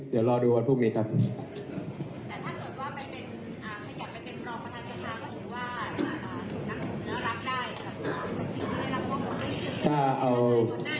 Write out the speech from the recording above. เดี๋ยวรอดูวันพรุ่งนี้ครับ